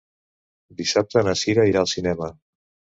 Dissabte na Cira irà al cinema.